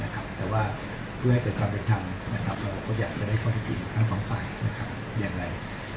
แต่ว่าเพื่อให้เกิดความเป็นธรรมเราก็อยากจะได้ข้อที่จริงทั้งสองฝ่ายอย่างไร